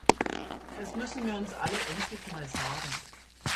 Das müssen wir uns alle endlich mal sagen.